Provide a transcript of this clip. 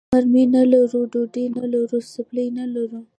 مرمۍ نه لرو، ډوډۍ نه لرو، څپلۍ نه لرو.